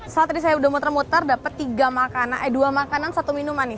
saat tadi saya udah muter muter dapat tiga makanan eh dua makanan satu minuman nih